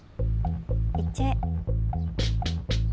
行っちゃえ。